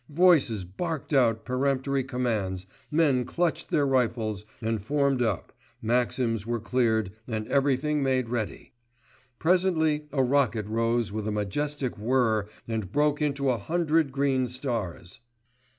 Voices barked out peremptory commands, men clutched their rifles and formed up, maxims were cleared and everything made ready. Presently a rocket rose with a majestic whirr and broke into a hundred green stars.